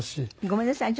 ごめんなさいね。